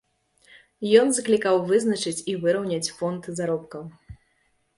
Ён заклікаў вызначыць і выраўняць фонд заробкаў.